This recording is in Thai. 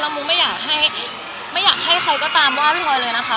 แล้วมุกไม่อยากให้ใครก็ตามว่าพี่ทอยเลยนะคะ